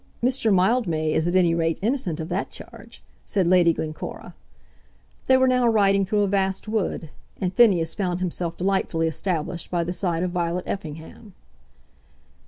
"Mr. Mildmay is at any rate innocent of that charge," said Lady Glencora. They were now riding through a vast wood, and Phineas found himself delightfully established by the side of Violet Effingham.